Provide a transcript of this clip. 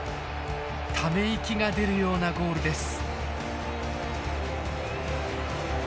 ため息が出るようなゴールです。